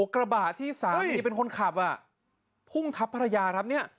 กระบะที่สามีเป็นคนขับพุ่งทับภรรยาครับเนี่ย